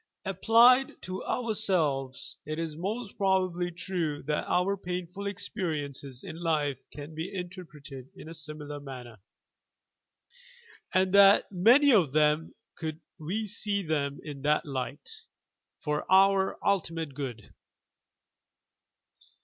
Applied to ourselves, it is most probably true that our painful ex periences in life can be interpreted in a similar manner, 1 I SELF AND SOUL CULTURE and that many of them, could we see them in that light, are for our ultimate good.